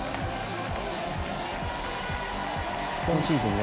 今シーズン